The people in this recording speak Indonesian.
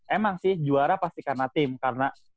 emang sih juara pasti karena tim karena